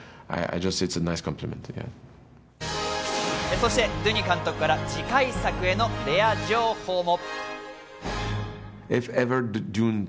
そしてドゥニ監督から次回作へのレア情報も！